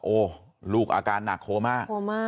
โอ้ลูกอาการหนักโคม่า